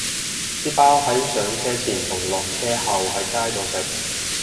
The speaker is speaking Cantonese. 啲包係上車前同落車後喺街度食